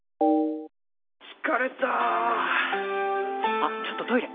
あっちょっとトイレ！